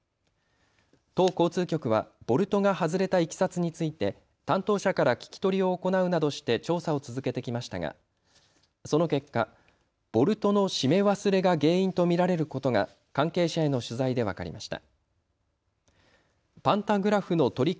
都交通局はボルトが外れたいきさつについて担当者から聞き取りを行うなどして調査を続けてきましたがその結果、ボルトの締め忘れが原因と見られることが関係者への取材で分かりました。